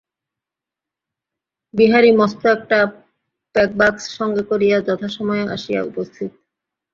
বিহারী মস্ত-একটা প্যাকবাক্স সঙ্গে করিয়া যথাসময়ে আসিয়া উপস্থিত।